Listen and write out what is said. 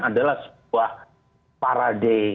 adalah sebuah parade